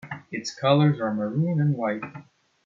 Its colors are maroon and white.